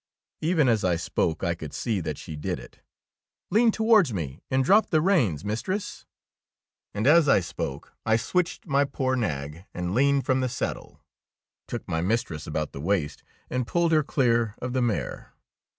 Even as I spoke I could see that she did it. '' Lean towards me and drop the reins, mistress"; and as I spoke I switched my poor nag and leaned from the saddle, took my mistress about the waist, and pulled her clear of the mare.